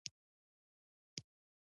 د ده په زمانه کې هرات ډېره وده وکړه.